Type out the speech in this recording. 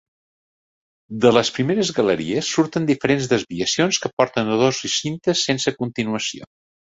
De les primeres galeries surten diferents desviacions que porten a dos recintes sense continuació.